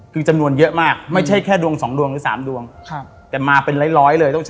คือจำนวนเยอะมากไม่ใช่แค่ดวงสองดวงหรือสามดวง